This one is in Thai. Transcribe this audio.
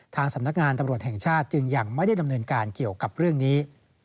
สำนักงานตำรวจแห่งชาติจึงยังไม่ได้ดำเนินการเกี่ยวกับเรื่องนี้